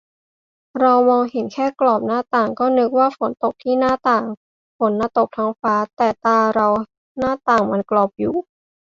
เรามองเห็นแค่กรอบหน้าต่าง ก็นึกว่าฝนตกที่หน้าต่าง ฝนตกน่ะตกทั้งฟ้า แต่ตาเราหน้าต่างมันกรอบอยู่